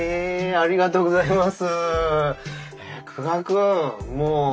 ありがとうございます。